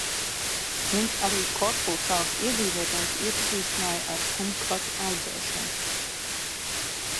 Viņš arī Korfu salas iedzīvotājus iepazīstināja ar kumkvatu audzēšanu.